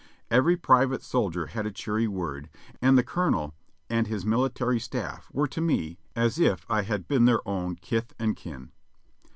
Every private soldier had a cheery word, and the Colonel and his military staff were to me as if I had been their own kith and kin.